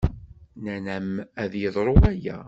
Nnan-am ad yeḍru waya.